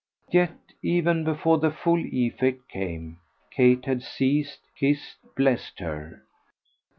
Yet even before the full effect came Kate had seized, kissed, blessed her.